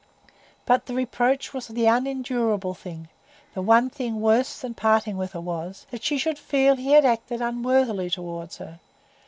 But the reproach was the unendurable thing; the one thing worse than parting with her was, that she should feel he had acted unworthily toward her.